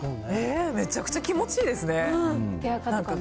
めちゃくちゃ気持ちいいですね。